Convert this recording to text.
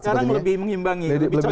sekarang lebih mengimbangi